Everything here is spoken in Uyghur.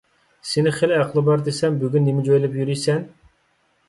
سېنى خېلى ئەقلى بار دېسەم، بۈگۈن نېمە جۆيلۈپ يۈرىسەن؟